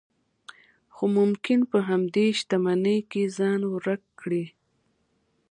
خو ممکن په همدې شتمنۍ کې ځان ورک کړئ.